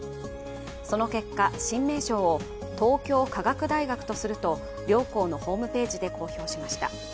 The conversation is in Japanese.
その結果、新名称を東京科学大学にすると両校のホームページで公表しました。